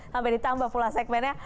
sampai ditambah pula segmennya